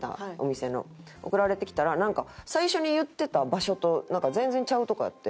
送られてきたら最初に言ってた場所と全然違うところやって。